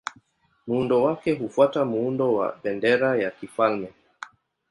Muundo wake hufuata muundo wa bendera ya kifalme.